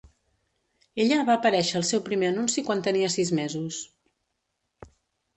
Ella va aparèixer al seu primer anunci quan tenia sis mesos.